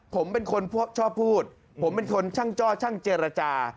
ผมเป็นคนชอบพูดผมเป็นคนช่างจ้อช่างเจรจา